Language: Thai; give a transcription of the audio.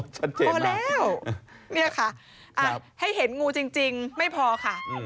ชัดเจนพอแล้วเนี่ยค่ะให้เห็นงูจริงไม่พอค่ะ